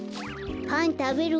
パンたべる？